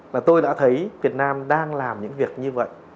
và tôi đã thấy việt nam đang làm những việc như vậy